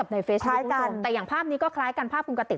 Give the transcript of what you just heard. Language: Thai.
ในเฟซบุ๊คกันแต่อย่างภาพนี้ก็คล้ายกันภาพคุณกติก